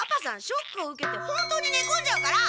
ショックを受けて本当にねこんじゃうから！